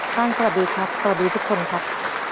ท่านสวัสดีครับสวัสดีทุกคนครับ